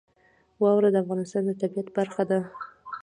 واوره د افغانستان د طبیعت برخه ده.